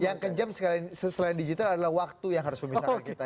yang kejam selain digital adalah waktu yang harus memisahkan kita